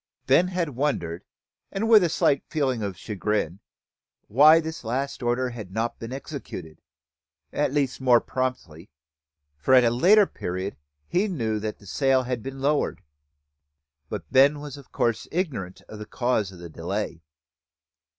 Ben had wondered, and with a slight feeling of chagrin, why this last order had not been executed, at least more promptly, for at a later period he knew the sail had been lowered; but Ben was of course ignorant of the cause of the delay.